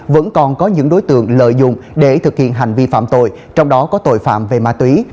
vẫn còn có những đối tượng lợi dụng để thực hiện hành vi phạm tội trong đó có tội phạm về ma túy